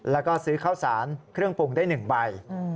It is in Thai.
แล้วก็ซื้อข้าวสารเครื่องปรุงได้๑ใบ